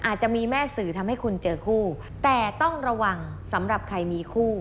อาจจะมีแม่สื่อทำให้คุณเจอคู่แต่ต้องระวังสำหรับใครมีคู่